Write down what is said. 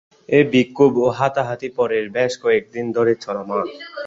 এই বিক্ষোভ ও হাতাহাতি পরের বেশ কয়েকদিন ধরে চলমান থাকে।